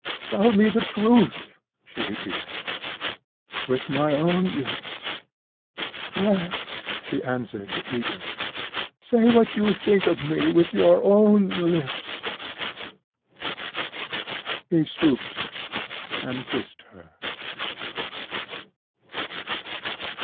"Tell me the truth!" she repeated. "With my own lips?" "Yes!" she answered, eagerly. "Say what you think of me with your own lips." He stooped and kissed her.